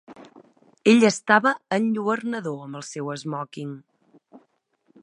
Ell estava enlluernador amb el seu esmòquing.